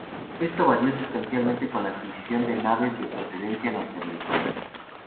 Esto varió sustancialmente con la adquisición de naves de procedencia norteamericana.